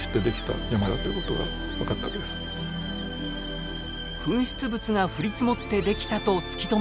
噴出物が降り積もってできたと突き止められた宝永山。